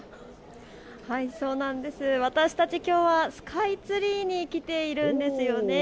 私たち、きょうはスカイツリーに来ているんです。